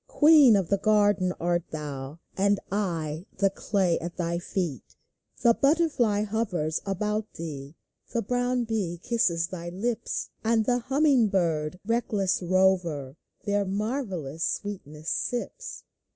Queen of the garden art thou, And I— the Clay at thy feet ! The butterfly hovers about thee ; The brown bee kisses thy lips ; And the humming bird, reckless rover, Their marvellous sweetness sips.